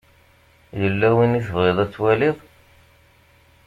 Yella win i tebɣiḍ ad twaliḍ?